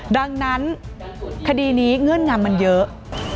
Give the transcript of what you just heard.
ดังนั้นคดีนี้เงื่อนงำมันเยอะ